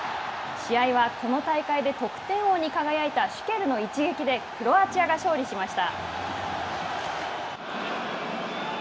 試合は、この大会で得点王に輝いたシュケルの一撃で、クロアチアが勝利しました。